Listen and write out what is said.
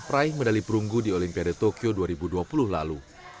raih medali perunggu di olimpiade tokyo dua ribu dua puluh lalu